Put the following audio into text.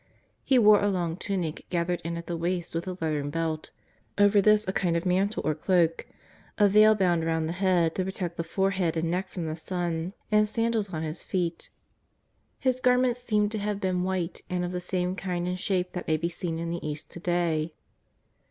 He wore a long tunic gathered in at the waist with a leathern Mt, over this a kind of mantle or cloak, a veil bound round the head to protect the forehead and neck from the sun, and 162 JESUS OF NAZAEETH. 163 sandals on His feet. His garments seem to have been white and of the same kind and shape that may be seen in the East to day.